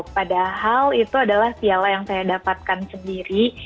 padahal itu adalah piala yang saya dapatkan sendiri